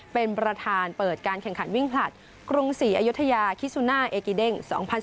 เป็นประธานเปิดการแข่งขันวิ่งผลัดกรุงศรีอยุธยาคิซูน่าเอกิเด้ง๒๐๑๙